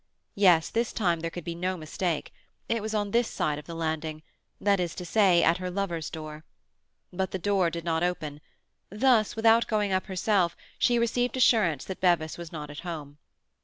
Yes, this time there could be no mistake; it was on this side of the landing—that is to say, at her lover's door. But the door did not open; thus, without going up herself, she received assurance that Bevis was not at home.